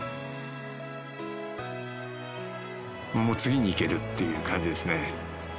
もう次にいけるっていう感じですね。